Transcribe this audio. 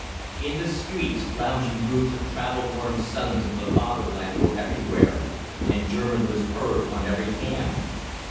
In the streets lounging groups of travel worn sons of the Fatherland were everywhere, and German was heard on every hand.